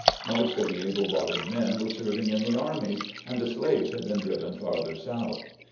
Most of the able bodied men were serving in the armies, and the slaves had been driven farther south.